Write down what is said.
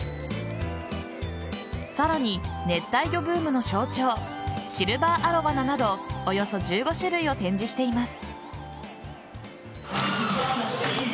さらに、熱帯魚ブームの象徴シルバーアロワナなどおよそ１５種類を展示しています。